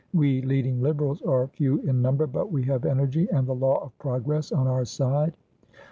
We leading Liberals are few in number, but we have energy and the law of progress on our side."